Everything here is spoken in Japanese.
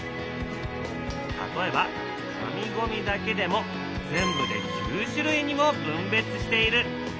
例えば紙ゴミだけでも全部で９種類にも分別している。